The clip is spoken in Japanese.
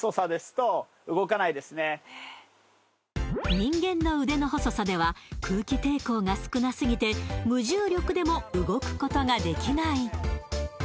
人間の腕の細さでは空気抵抗が少なすぎて無重力でも動くことができない